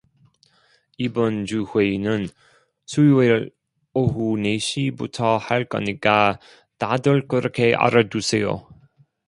이번 주 회의는 수요일 오후 네 시부터 할 거니까 다들 그렇게 알아두세요.